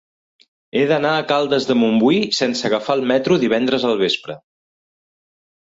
He d'anar a Caldes de Montbui sense agafar el metro divendres al vespre.